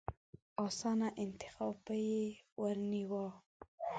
اسانه انتخاب به يې ورنيوه.